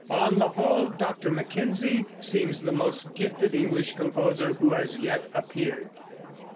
On the whole, Dr. Mackenzie seems the most gifted English composer who has yet appeared.